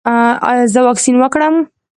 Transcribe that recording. ایا زه واکسین وکړم؟